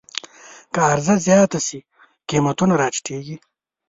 که عرضه زیاته شي، قیمتونه راټیټېږي.